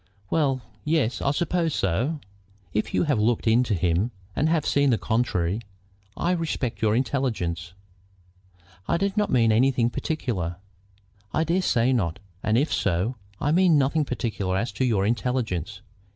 "Well, yes; I should suppose so." "If you have looked into him and have seen the contrary, I respect your intelligence." "I did not mean anything particular." "I dare say not, and if so, I mean nothing particular as to your intelligence.